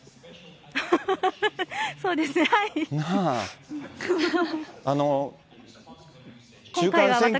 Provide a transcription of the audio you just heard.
そうですね、はい。